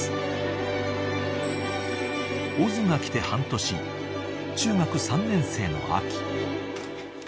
［オズが来て半年中学３年生の秋］